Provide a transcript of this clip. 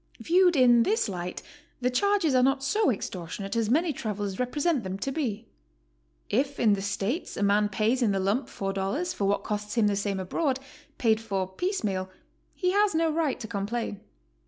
Viewed in this light, the charges are not so extortionate as many travelers represent them to be. If in the States a man pays in the lump $4 for what costs him the same abroad, paid for piece meal, he has no right to complain.